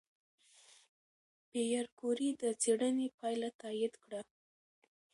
پېیر کوري د څېړنې پایله تایید کړه.